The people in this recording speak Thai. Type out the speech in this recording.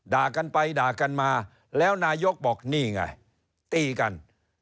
ด่ากันไปด่ากันมาแล้วนายกบอกนี่ไงตีกัน